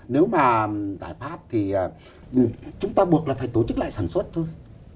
nếu mà giải pháp thì chúng ta buộc là phải tổ chức lại sản xuất thôi